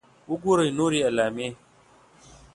.وګورئ نورې علامې